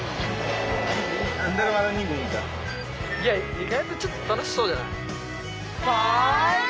意外とちょっと楽しそうじゃない？